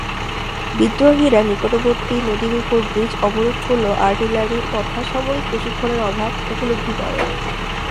বিদ্রোহীরা নিকটবর্তী নদীর উপর ব্রিজ অবরোধ করলেও আর্টিলারি তথা সামরিক প্রশিক্ষণের অভাব উপলব্ধি করে।